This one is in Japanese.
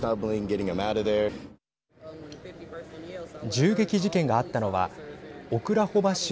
銃撃事件があったのはオクラホマ州